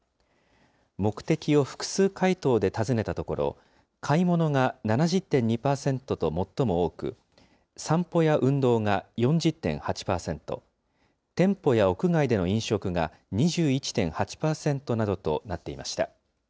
目的を複数回答で尋ねたところ、買い物が７０．２％と最も多く、散歩や運動が４０．８％、店舗や屋外での飲食が２１．８％などとなっていました。